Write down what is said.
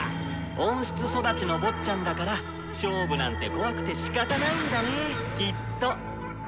「温室育ちの坊ちゃんだから勝負なんて怖くてしかたないんだねきっと」。